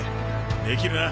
できるな？